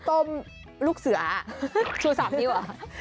ต้มลูกเสือชูสับนิ้ว